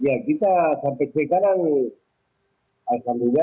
ya kita sampai sekarang